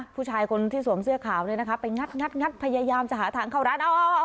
ผู้ชายคนที่สวมเสื้อขาวเนี่ยนะคะไปงัดพยายามจะหาทางเข้าร้านออก